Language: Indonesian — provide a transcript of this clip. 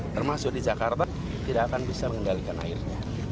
termasuk di jakarta tidak akan bisa mengendalikan airnya